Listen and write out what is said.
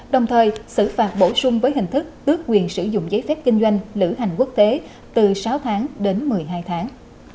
đồng thời xử phạt bổ sung với hình thức tước quyền sử dụng giấy phép kinh doanh lữ hành quốc tế từ sáu tháng đến một mươi hai tháng